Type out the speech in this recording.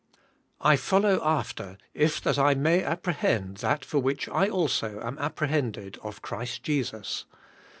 *I follow after, if that I may apprehend that for which I also am apprehended of Christ Jesus.